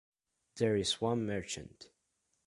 There is one merchant.